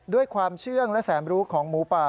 ด้วยความเชื่องและแสนรู้ของหมูป่า